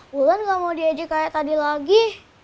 bulan gak mau diajak kayak tadi lagi